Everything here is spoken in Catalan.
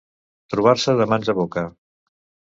Trobar-se de mans a boca.